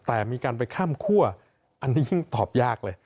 แต่มีการไปข้ามคั่วอันนี้ยิ่งตอบยากเลย